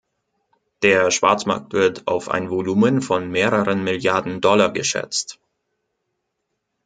Der Schwarzmarkt wird auf ein Volumen von mehreren Milliarden Dollar geschätzt.